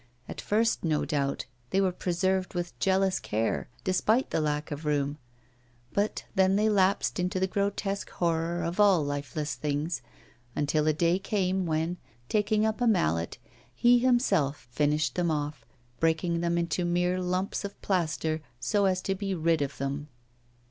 At first, no doubt, they were preserved with jealous care, despite the lack of room, but then they lapsed into the grotesque honor of all lifeless things, until a day came when, taking up a mallet, he himself finished them off, breaking them into mere lumps of plaster, so as to be rid of them.